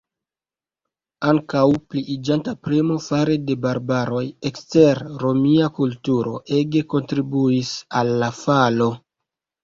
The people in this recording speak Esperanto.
Ankaŭ pliiĝanta premo fare de "barbaroj" ekster romia kulturo ege kontribuis al la falo.